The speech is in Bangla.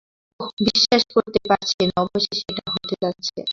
ওহ, বিশ্বাস করতে পারছি না অবশেষে এটা হতে যাচ্ছে।